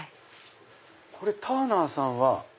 ターナーさんは。